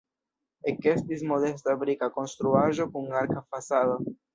Ekestis modesta brika konstruaĵo kun arka fasado.